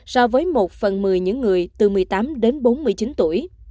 so với một phần một mươi những người từ một mươi tám đến bốn mươi chín tuổi